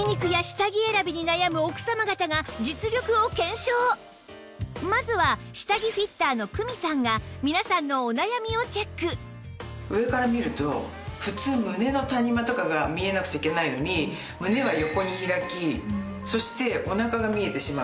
そうこのためにまずは下着フィッターの ＫＵＭＩ さんが皆さんのお悩みをチェック上から見ると普通胸の谷間とかが見えなくちゃいけないのに胸は横に開きそしてお腹が見えてしまう。